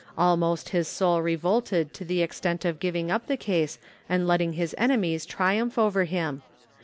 Almost his soul revolted to the extent of giving up the case and letting his enemies triumph over him.